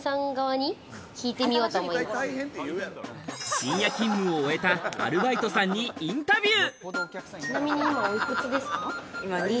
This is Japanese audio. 深夜勤務を終えたアルバイトさんにインタビュー。